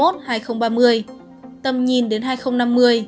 tầm nhìn đến hai nghìn năm mươi